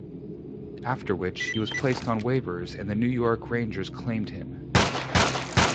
After which he was placed on waivers and the New York Rangers claimed him.